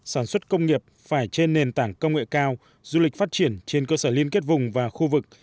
sản xuất công nghiệp phải trên nền tảng công nghệ cao du lịch phát triển trên cơ sở liên kết vùng và khu vực